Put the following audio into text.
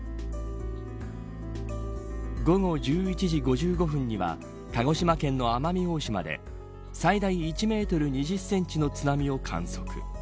午後１１時５５分には鹿児島県の奄美大島で最大１メートル２０センチの津波を観測。